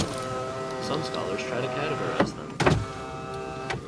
Some scholars try to categorize them.